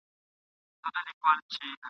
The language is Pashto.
حیوانان او انسانان به مري له تندي !.